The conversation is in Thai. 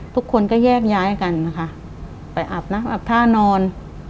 ทุกคนก็แยกย้ายกันนะคะไปอาบน้ำอาบท่านอน